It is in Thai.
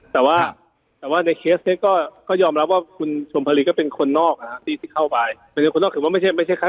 แต่ว่าในเคสก็ยอมรับว่าคุณสมภารีก็เป็นคนนอกที่สิทธิ์เค้าไป